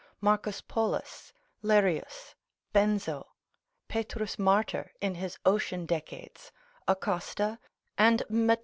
Marcus Polus, Lerius, Benzo, P. Martyr in his Ocean Decades, Acosta, and Mat.